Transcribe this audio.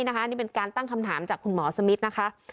นี่เป็นการตั้งคำถามจากคุณหมอสมิทนะคะ